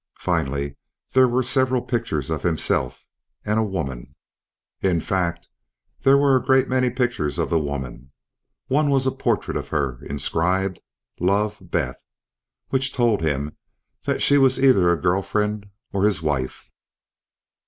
Finally there were several pictures of himself and a woman; in fact, there were a great many pictures of the woman. One was a portrait of her, inscribed, "love, Beth", which told him that she was either a girlfriend or his wife.